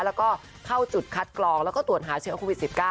แล้วก็เข้าจุดคัดกรองแล้วก็ตรวจหาเชื้อโควิด๑๙